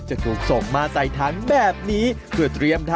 จะถูกส่งมาใส่ทั้งแบบนี้